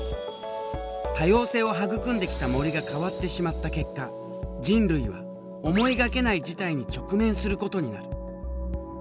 多様性を育んできた森が変わってしまった結果人類は思いがけない事態に直面することになる。